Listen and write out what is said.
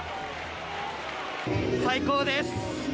最高です！